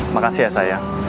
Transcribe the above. makasih ya sayang